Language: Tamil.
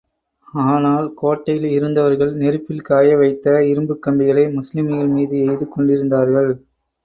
ஆனால், கோட்டையில் இருந்தவர்கள் நெருப்பில் காய வைத்த இரும்புக் கம்பிகளை முஸ்லிம்கள் மீது எய்து கொண்டிருந்தார்கள்.